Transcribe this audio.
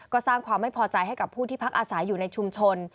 ก็สร้างความไม่พอใจให้กับผู้ที่พักอาศัยอยู่ในชุมชน